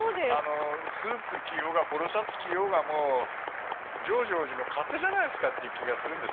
スーツを起用がポロシャツ着ようがジョージ王子の勝手じゃないですかという気がします。